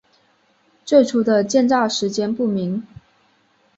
最初的建造时间不明。